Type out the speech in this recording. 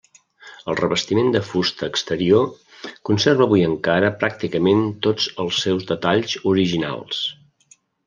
El revestiment de fusta exterior conserva avui encara pràcticament tots els seus detalls originals.